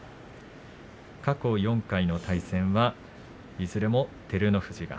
過去４回の対戦はいずれも照ノ富士。